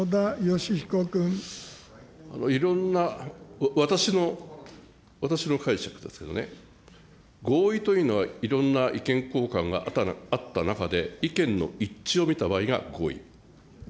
いろんな、私の、私の解釈ですけどね、合意というのは、いろんな意見交換があった中で、意見の一致を見た場合が合意。